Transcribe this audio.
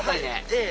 ええ。